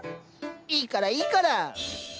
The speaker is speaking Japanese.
いいからいいから。